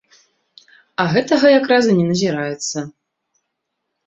А гэтага якраз і не назіраецца.